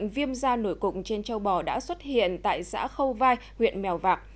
viêm da nổi cục trên châu bò đã xuất hiện tại xã khâu vai huyện mèo vạc